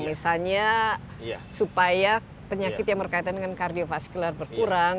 misalnya supaya penyakit yang berkaitan dengan kardiofaskular berkurang